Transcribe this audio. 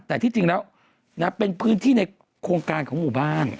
แต่ที่จริงแล้วเป็นพื้นที่ในโครงการของหมู่บ้าน